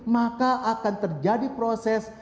maka akan terjadi proses